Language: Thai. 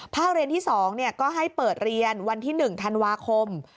เรียนที่๒ก็ให้เปิดเรียนวันที่๑ธันวาคม